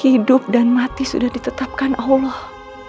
hidup dan mati sudah ditetapkan allah